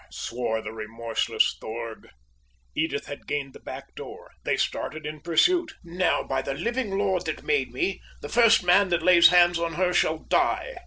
swore the remorseless Thorg. Edith had gained the back door. They started in pursuit. "Now, by the living Lord that made me, the first man that lays hands on her shall die!"